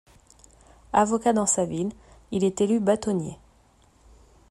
Avocat dans sa ville, il est élu bâtonnier.